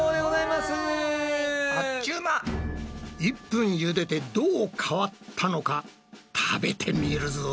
１分茹でてどう変わったのか食べてみるぞ。